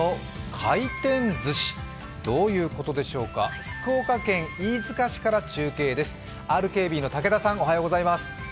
回転寿司どういうことでしょうか、福岡県飯塚市から中継です。